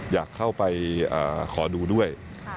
อยากเข้าไปขอดูด้วย